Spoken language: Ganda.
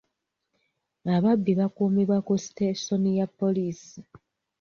Ababbi bakuumibwa ku sitesoni ya poliisi.